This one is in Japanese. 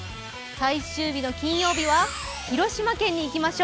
最終日の金曜日は広島県にいきましょう。